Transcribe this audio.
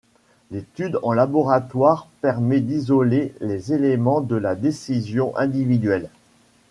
L'étude en laboratoire permet d'isoler les éléments de la décision individuelle.